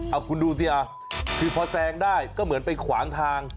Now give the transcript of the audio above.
เอาคุณดูสิอ่ะคือพอแซงได้ก็เหมือนไปขวางทาง